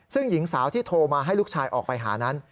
ซึ่งหญิงสาวที่โทรมาให้ลูกชายออกไปหานั้น